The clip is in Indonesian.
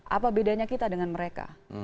apa bedanya kita dengan mereka